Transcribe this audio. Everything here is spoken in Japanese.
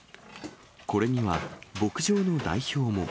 これには、牧場の代表も。